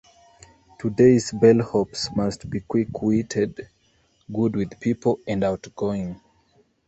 Today's bellhops must be quick-witted, good with people, and outgoing.